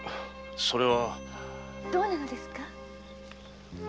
それは。どうなんですか？